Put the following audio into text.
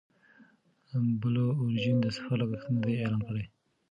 بلو اوریجن د سفر لګښت نه دی اعلان کړی.